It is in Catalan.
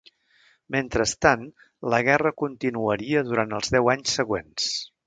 Mentrestant, la guerra continuaria durant els deu anys següents.